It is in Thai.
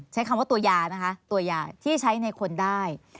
ใช้คำว่าตัวยานะคะตัวยาที่ใช้ในคนได้